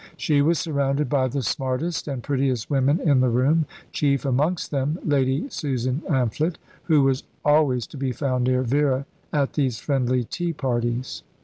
She was surrounded by the smartest and prettiest women in the room, chief amongst them Lady Susan Amphlett, who was always to be found near Vera at these friendly tea parties.